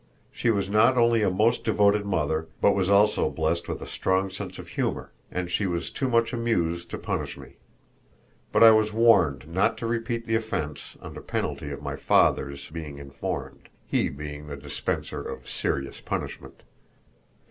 She was not only a most devoted mother, but was also blessed with a strong sense of humor, and she was too much amused to punish me; but I was warned not to repeat the offense, under penalty of my father's being informed he being the dispenser of serious punishment.